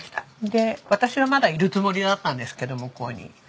で私はまだいるつもりだったんですけど向こうに。